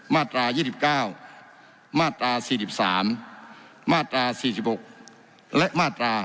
มาตรา๒๙มาตรา๔๓มาตรา๔๖และมาตรา